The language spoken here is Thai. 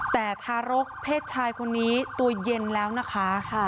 แต่ทารกเพศชายคนนี้ตัวเย็นแล้วนะคะ